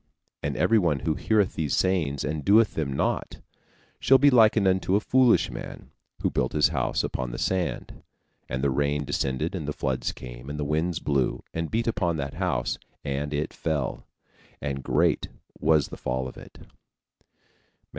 And everyone that heareth these sayings, and doeth them not, shall be likened unto a foolish man, who built his house upon the sand; and the rain descended, and the floods came, and the winds blew, and beat upon that house; and it fell: and great was the fall of it" (Matt.